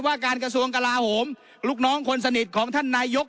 ว่าการกระทรวงกลาโหมลูกน้องคนสนิทของท่านนายก